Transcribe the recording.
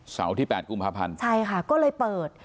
ที่๘กุมภาพันธ์ใช่ค่ะก็เลยเปิด